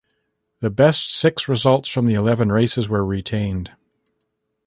The best six results from the eleven races were retained.